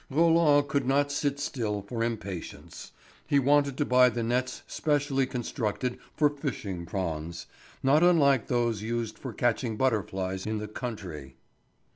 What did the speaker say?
Roland could not sit still for impatience. He wanted to buy the nets specially constructed for fishing prawns, not unlike those used for catching butterflies in the country.